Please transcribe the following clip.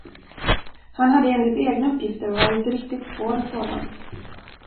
Han hade enligt egna uppgifter varit riktigt svår med sådant.